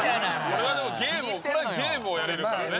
それはでもゲームをやれるからね。